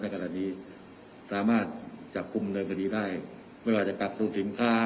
ขณะนี้สามารถจับกลุ่มเนินคดีได้ไม่ว่าจะกักตัวสินค้า